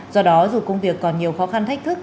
do đó dù công việc còn nhiều khó khăn thách thức